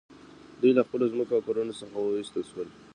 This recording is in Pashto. دوی له خپلو ځمکو او کورونو څخه وویستل شول